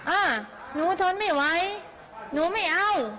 อ่าหนูทนไม่ไหวหนูไม่เอา